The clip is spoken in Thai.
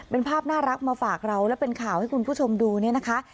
เป็นภาพน่ารักมาฝากเราและเป็นข่าวให้คุณผู้ชมดูเนี่ยนะคะ